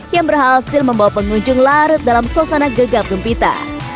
yang berhasil membawa pengunjung larut dalam suasana gegap gempita